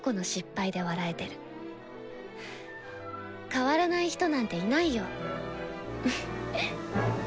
変わらない人なんていないよ。